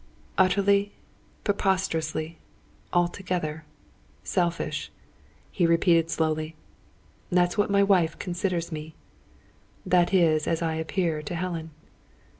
"Utterly, preposterously, altogether, selfish," he repeated slowly. "That is what my wife considers me; that is as I appear to Helen.